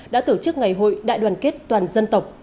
đã tổ chức ngày hội đại đoàn kết toàn dân tộc